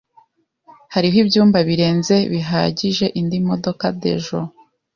Hariho ibyumba birenze bihagije indi modoka. (Dejo)